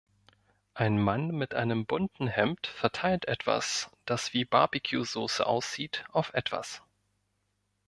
Ein Mann mit einem bunten Hemd verteilt etwas, das wie Barbcuesauce aussieht, auf etwas